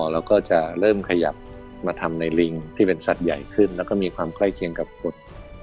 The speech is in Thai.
แล้วก็จะเริ่มขยับมาทำในลิงที่เป็นสัตว์ใหญ่ขึ้นแล้วก็มีความใกล้เคียงกับกุฎ